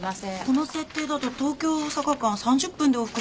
この設定だと東京大阪間３０分で往復。